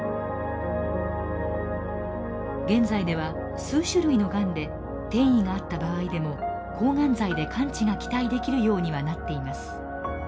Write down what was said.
現在では数種類のがんで転移があった場合でも抗がん剤で完治が期待できるようにはなっています。